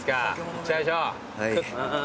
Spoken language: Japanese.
行っちゃいましょう。